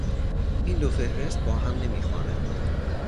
این دو فهرست با هم نمیخوانند.